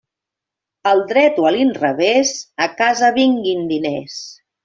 Al dret o a l'inrevés, a casa vinguin diners.